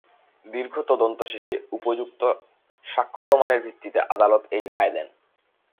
দীর্ঘ তদন্ত শেষে উপযুক্ত সাক্ষ্য প্রমাণের ভিত্তিতে আদালত এই রায় দেন।